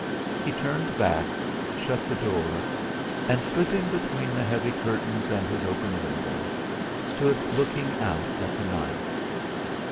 He turned back; shut the door, and slipping between the heavy curtains and his open window, stood looking out at the night.